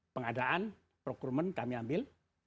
pengadaan procurement kami ambil